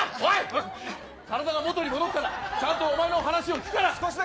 体が元に戻ったらちゃんとお前の話を聞くから。